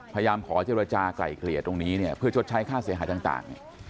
พยายามขอเจรจาไกลเกลี่ยตรงนี้เพื่อชดใช้ค่าเสียหายต่าง